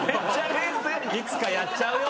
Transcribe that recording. いつかやっちゃうよ。